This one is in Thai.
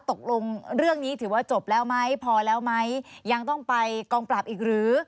ตกลงเรื่องนี้ถือว่าจบแล้วไหมพอแล้วไหมยังต้องไปกองปราบอีกหรือ